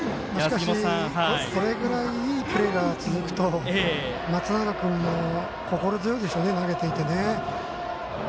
しかし、これぐらいいいプレーが続くと松永君も心強いでしょうね投げていてね。